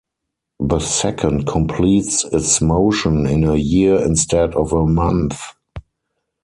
The second completes its motion in a year instead of a month.